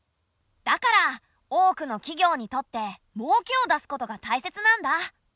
だから多くの企業にとってもうけを出すことがたいせつなんだ。